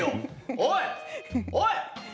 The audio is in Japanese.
おい、おい！